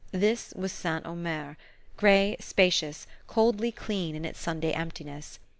This was St. Omer, grey, spacious, coldly clean in its Sunday emptiness.